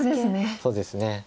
そうですね。